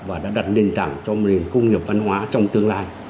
và đã đặt nền tảng cho nền công nghiệp văn hóa trong tương lai